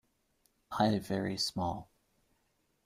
Eye very small.